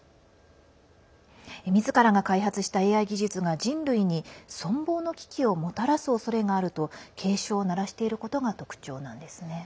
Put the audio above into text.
みずからが開発したＡＩ技術が人類に存亡の危機をもたらすおそれがあると警鐘を鳴らしていることが特徴なんですね。